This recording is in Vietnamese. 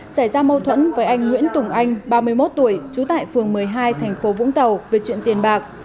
xảy ra mâu thuẫn với anh nguyễn tùng anh ba mươi một tuổi trú tại phường một mươi hai thành phố vũng tàu về chuyện tiền bạc